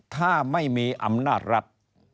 ถ้าไม่มีอำนาจรัฐ